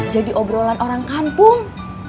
jadi obrolan orang kampung